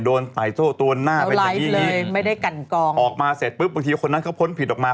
โดนไข้โทรตัวหน้าแบบนี้อีกออกมาเสร็จปุ๊บบางทีคนนั้นเขาพ้นผิดออกมา